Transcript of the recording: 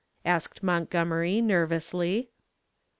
asked Montgomery, nervously.